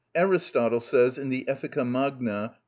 Aristotle says in the "Eth. Magna," i.